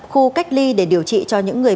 khu cách ly để điều trị cho những người